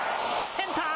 センター！